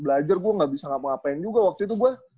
belajar gue gak bisa ngapa ngapain juga waktu itu gue